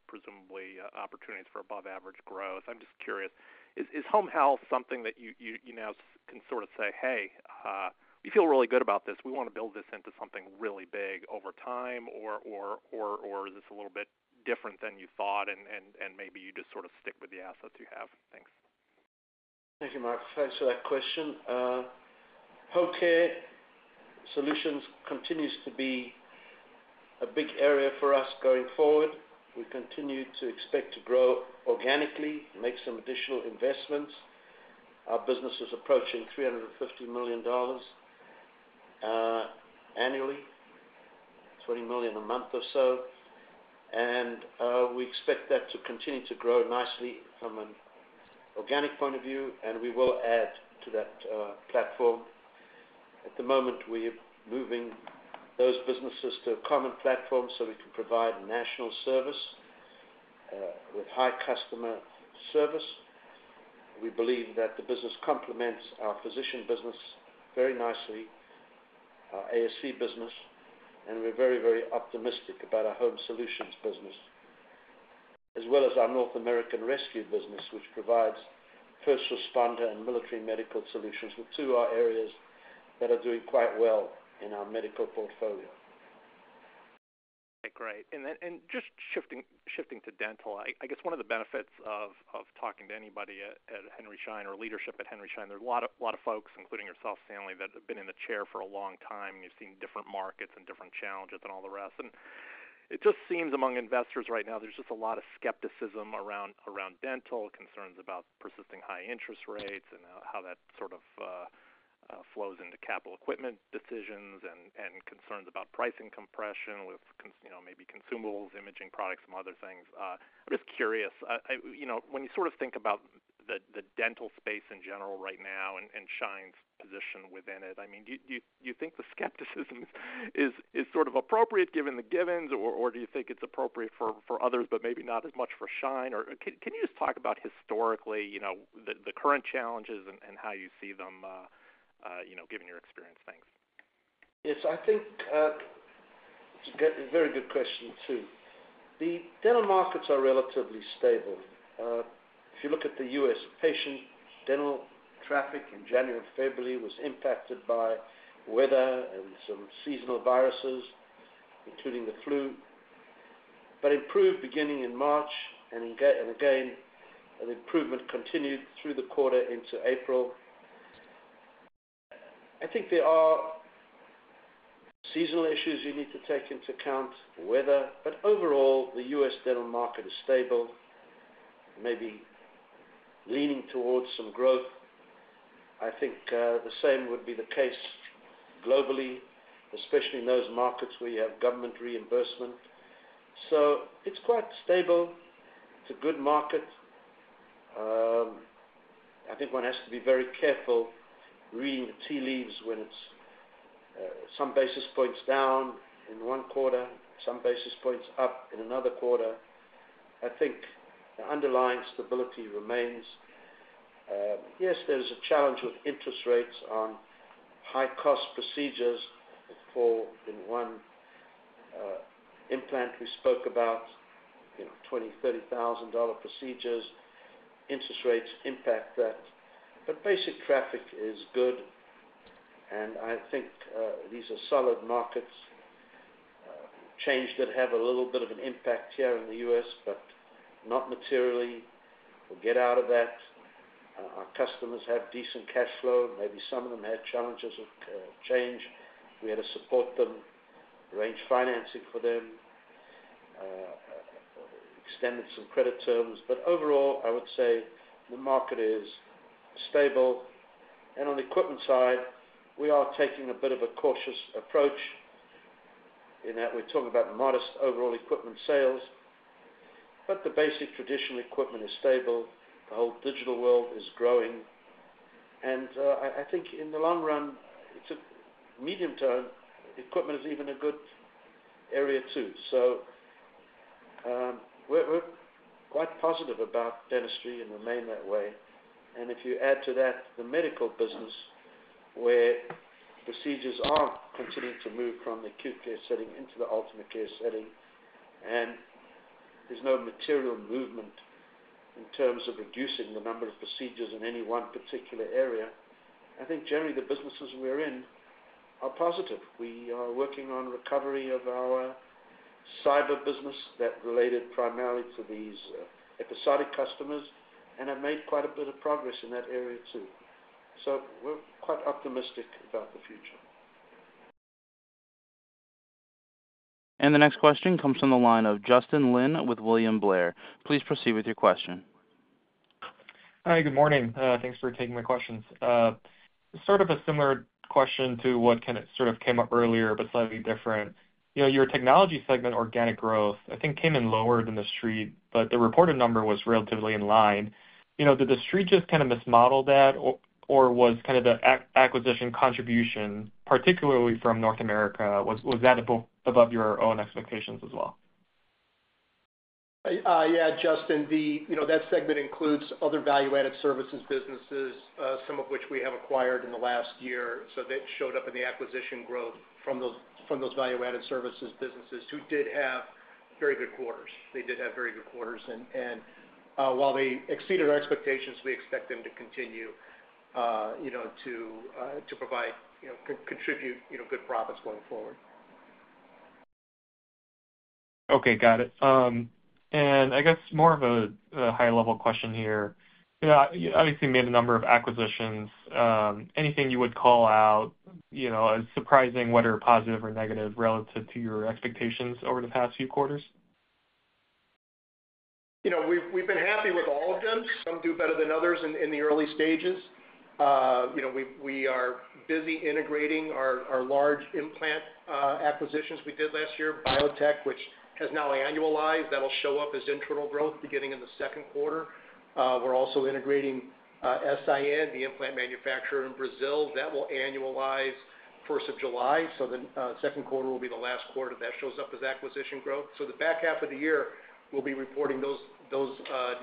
presumably opportunities for above-average growth. I'm just curious. Is home health something that you now can sort of say, "Hey, we feel really good about this. We want to build this into something really big over time," or is this a little bit different than you thought, and maybe you just sort of stick with the assets you have? Thanks. Thank you, Mike. Thanks for that question. Home care solutions continues to be a big area for us going forward. We continue to expect to grow organically, make some additional investments. Our business is approaching $350 million annually, $20 million a month or so. And we expect that to continue to grow nicely from an organic point of view. And we will add to that platform. At the moment, we are moving those businesses to a common platform so we can provide national service with high customer service. We believe that the business complements our physician business very nicely, our ASC business. And we're very, very optimistic about our Home Solutions business as well as our North American Rescue business, which provides first responder and military medical solutions, which two are areas that are doing quite well in our medical portfolio. Okay. Great. And just shifting to dental, I guess one of the benefits of talking to anybody at Henry Schein or leadership at Henry Schein, there are a lot of folks, including yourself, Stanley, that have been in the chair for a long time, and you've seen different markets and different challenges and all the rest. And it just seems among investors right now, there's just a lot of skepticism around dental, concerns about persisting high interest rates and how that sort of flows into capital equipment decisions and concerns about pricing compression with maybe consumables, imaging products, some other things. I'm just curious. When you sort of think about the dental space in general right now and Schein's position within it, I mean, do you think the skepticism is sort of appropriate given the givens, or do you think it's appropriate for others but maybe not as much for Schein? Or can you just talk about historically the current challenges and how you see them given your experience? Thanks. Yes. I think it's a very good question too. The dental markets are relatively stable. If you look at the U.S., patient dental traffic in January and February was impacted by weather and some seasonal viruses, including the flu, but improved beginning in March. And again, the improvement continued through the quarter into April. I think there are seasonal issues you need to take into account, weather. But overall, the U.S. dental market is stable, maybe leaning towards some growth. I think the same would be the case globally, especially in those markets where you have government reimbursement. So it's quite stable. It's a good market. I think one has to be very careful reading the tea leaves when it's some basis points down in one quarter, some basis points up in another quarter. I think the underlying stability remains. Yes, there is a challenge with interest rates on high-cost procedures for, in one implant we spoke about, $20,000-$30,000 procedures. Interest rates impact that. But basic traffic is good. And I think these are solid markets. Change Healthcare did have a little bit of an impact here in the U.S. but not materially. We'll get out of that. Our customers have decent cash flow. Maybe some of them had challenges with Change Healthcare. We had to support them, arrange financing for them, extended some credit terms. But overall, I would say the market is stable. And on the equipment side, we are taking a bit of a cautious approach in that we're talking about modest overall equipment sales. But the basic traditional equipment is stable. The whole digital world is growing. And I think in the long run, medium-term, equipment is even a good area too. So we're quite positive about dentistry and remain that way. And if you add to that the medical business where procedures are continuing to move from the acute care setting into the alternate care setting and there's no material movement in terms of reducing the number of procedures in any one particular area, I think generally, the businesses we're in are positive. We are working on recovery of our cyber business that related primarily to these episodic customers and have made quite a bit of progress in that area too. So we're quite optimistic about the future. The next question comes from the line of Justin Lin with William Blair. Please proceed with your question. Hi. Good morning. Thanks for taking my questions. Sort of a similar question to what sort of came up earlier but slightly different. Your technology segment, organic growth, I think came in lower than the street, but the reported number was relatively in line. Did the street just kind of mismodel that, or was kind of the acquisition contribution, particularly from North America, was that above your own expectations as well? Yeah, Justin. That segment includes other value-added services businesses, some of which we have acquired in the last year. So that showed up in the acquisition growth from those value-added services businesses who did have very good quarters. They did have very good quarters. And while they exceeded our expectations, we expect them to continue to contribute good profits going forward. Okay. Got it. I guess more of a high-level question here. Obviously, you made a number of acquisitions. Anything you would call out as surprising, whether positive or negative, relative to your expectations over the past few quarters? We've been happy with all of them. Some do better than others in the early stages. We are busy integrating our large implant acquisitions we did last year, Biotech, which has now annualized. That'll show up as internal growth beginning in the second quarter. We're also integrating S.I.N the implant manufacturer in Brazil. That will annualize 1st of July. So the second quarter will be the last quarter that shows up as acquisition growth. So the back half of the year, we'll be reporting those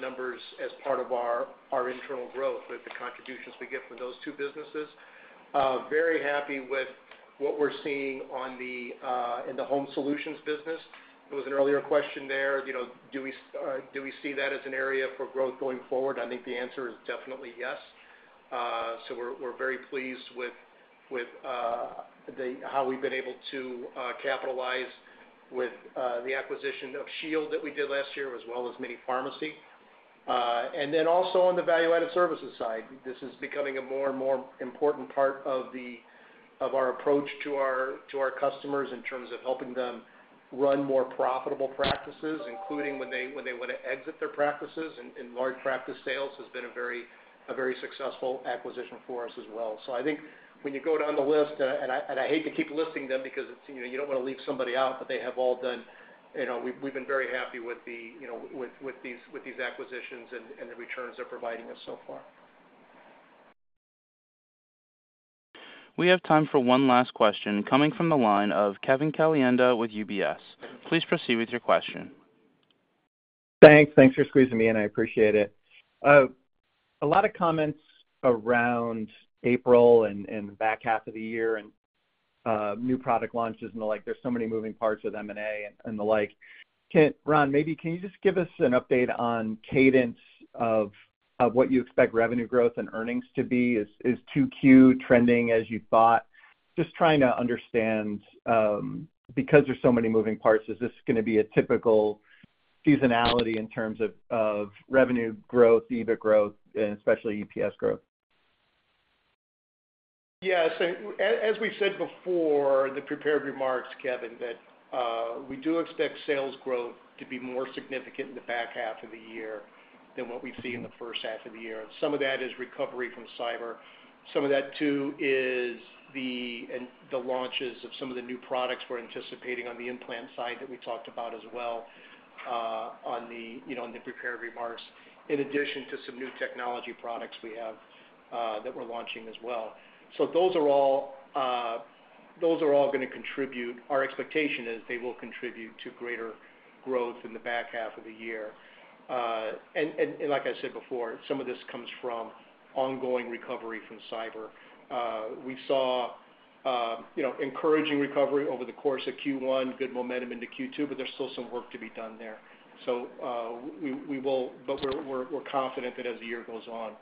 numbers as part of our internal growth with the contributions we get from those two businesses. Very happy with what we're seeing in the Home Solutions business. There was an earlier question there. Do we see that as an area for growth going forward? I think the answer is definitely yes. So we're very pleased with how we've been able to capitalize with the acquisition of Shield that we did last year as well as Mini Pharmacy. And then also on the value-added services side, this is becoming a more and more important part of our approach to our customers in terms of helping them run more profitable practices, including when they want to exit their practices. And Large Practice Sales has been a very successful acquisition for us as well. So I think when you go down the list and I hate to keep listing them because you don't want to leave somebody out, but they have all done. We've been very happy with these acquisitions and the returns they're providing us so far. We have time for one last question coming from the line of Kevin Caliendo with UBS. Please proceed with your question. Thanks. Thanks for squeezing me, and I appreciate it. A lot of comments around April and the back half of the year and new product launches and the like. There's so many moving parts with M&A and the like. Ron, maybe can you just give us an update on cadence of what you expect revenue growth and earnings to be? Is 2Q trending as you thought? Just trying to understand, because there's so many moving parts, is this going to be a typical seasonality in terms of revenue growth, EBIT growth, and especially EPS growth? Yes. As we've said before, the prepared remarks, Kevin, that we do expect sales growth to be more significant in the back half of the year than what we've seen in the first half of the year. Some of that is recovery from cyber. Some of that too is the launches of some of the new products we're anticipating on the implant side that we talked about as well on the prepared remarks, in addition to some new technology products we have that we're launching as well. Those are all going to contribute. Our expectation is they will contribute to greater growth in the back half of the year. Like I said before, some of this comes from ongoing recovery from cyber. We saw encouraging recovery over the course of Q1, good momentum into Q2, but there's still some work to be done there. So we will, but we're confident that as the year goes on,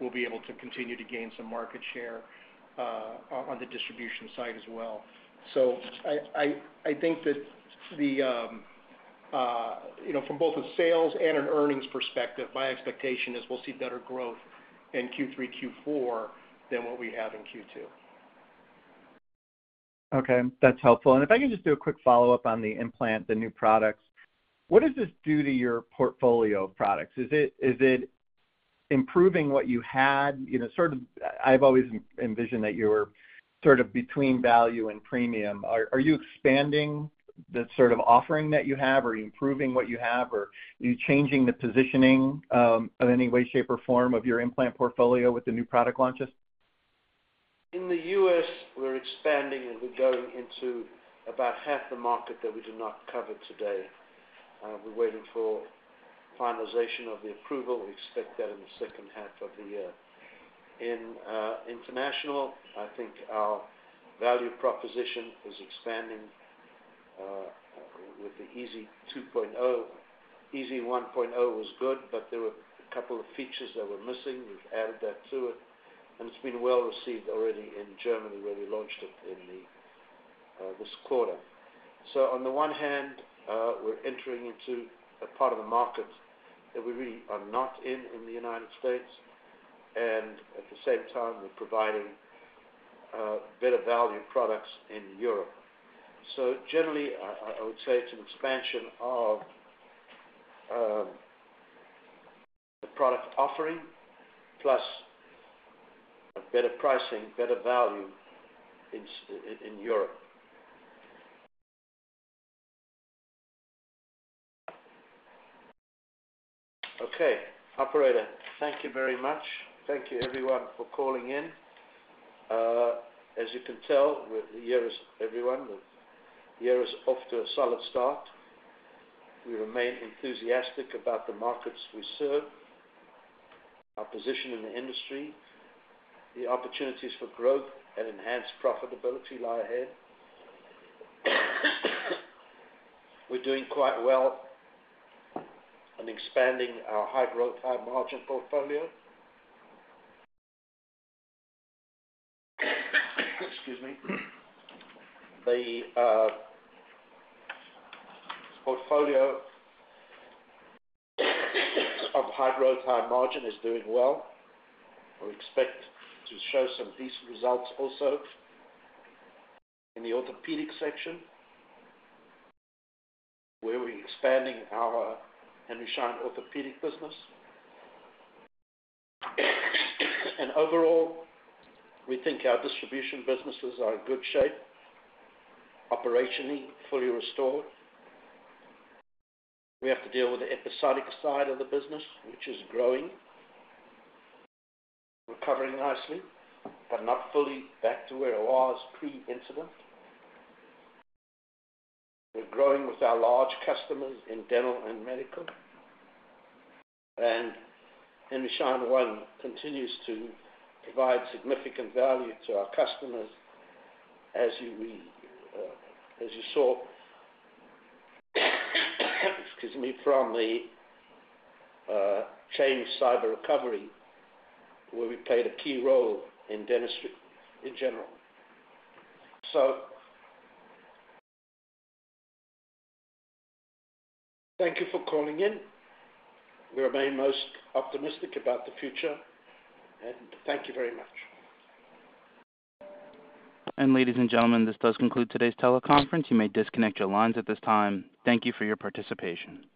we'll be able to continue to gain some market share on the distribution side as well. I think that from both a sales and an earnings perspective, my expectation is we'll see better growth in Q3, Q4 than what we have in Q2. Okay. That's helpful. And if I can just do a quick follow-up on the implant, the new products, what does this do to your portfolio of products? Is it improving what you had? Sort of, I've always envisioned that you were sort of between value and premium. Are you expanding the sort of offering that you have? Are you improving what you have? Are you changing the positioning in any way, shape, or form of your implant portfolio with the new product launches? In the U.S., we're expanding, and we're going into about half the market that we did not cover today. We're waiting for finalization of the approval. We expect that in the second half of the year. In international, I think our value proposition is expanding with the iSy 2.0. iSy 1.0 was good, but there were a couple of features that were missing. We've added that to it. And it's been well received already in Germany where we launched it in this quarter. So on the one hand, we're entering into a part of the market that we really are not in in the United States. And at the same time, we're providing better value products in Europe. So generally, I would say it's an expansion of the product offering plus better pricing, better value in Europe. Okay. Operator, thank you very much. Thank you, everyone, for calling in. As you can tell, everyone, the year is off to a solid start. We remain enthusiastic about the markets we serve, our position in the industry, the opportunities for growth and enhanced profitability lie ahead. We're doing quite well and expanding our high-growth, high-margin portfolio. Excuse me. The portfolio of high-growth, high-margin is doing well. We expect to show some decent results also in the orthodontic section where we're expanding our Henry Schein Orthodontics business. Overall, we think our distribution businesses are in good shape, operationally fully restored. We have to deal with the episodic side of the business, which is growing, recovering nicely but not fully back to where it was pre-incident. We're growing with our large customers in dental and medical. Henry Schein One continues to provide significant value to our customers, as you saw, excuse me, from the Change Healthcare cyber recovery where we played a key role in dentistry in general. So thank you for calling in. We remain most optimistic about the future. And thank you very much. Ladies and gentlemen, this does conclude today's teleconference. You may disconnect your lines at this time. Thank you for your participation.